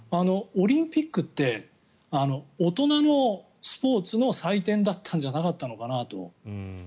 オリンピックって大人のスポーツの祭典だったんじゃなかったのかなと。